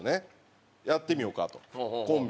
やってみようかとコンビ。